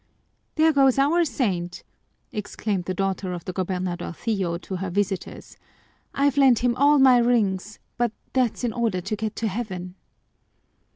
"There goes our saint!" exclaimed the daughter of the gobernadorcillo to her visitors. "I've lent him all my rings, but that's in order to get to heaven."